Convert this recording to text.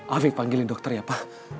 apa yang panggilin dokter ya apa